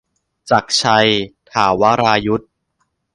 จักรชัย ถาวรายุศม์